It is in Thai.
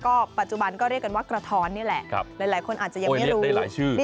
ก็ปัจจุบันก็เรียกว่ากระท้อนนี่แหละหลายคนอาจจะยังไม่รู้